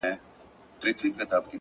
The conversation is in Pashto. مثبت چلند فضا بدلوي!